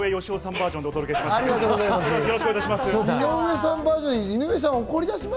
バージョンでお届けしております。